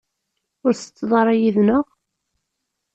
Ur tsetteḍ ara yid-nneɣ?